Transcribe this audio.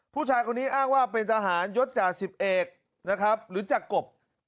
ผู้ชายคนนี้อ้างว่าเป็นทหารยศจรรย์๑๑หรือจากกบ